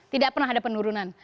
tidak pernah ada penurunan